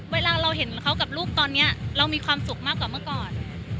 เวลาเราเห็นเขากับลูกตอนนี้เรามีความสุขมากกว่าเมื่อก่อน